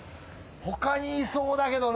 他にいそうだけどな。